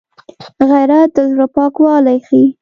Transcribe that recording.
غیرت د زړه پاکوالی ښيي